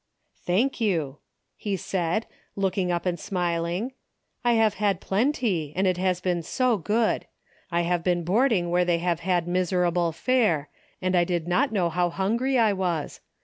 '' Thank you," he said, looking up and smil ing, " I have had plenty and it has been so good. I have been boarding where they had miserable fare, and I did not know how hun gry I was.